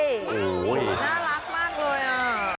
น่ารักมากเลยอ่ะ